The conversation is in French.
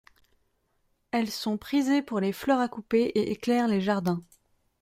Elles sont prisées pour les fleurs à couper et éclairent les jardins.